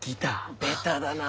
ベタだなあ！